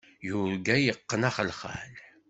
Yurga yeqqen axelxal.